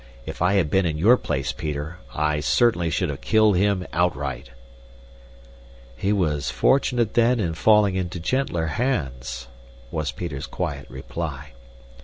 If I had been in your place, Peter, I certainly should have killed him outright!" "He was fortunate, then, in falling into gentler hands," was Peter's quiet reply.